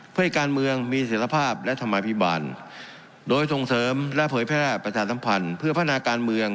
เพื่อให้การเมืองมีเสร็จภาพและธรรมาภิบาลโดยส่งเสริมและเผยแพร่ประชาสัมพันธ์เพื่อพัฒนาการเมือง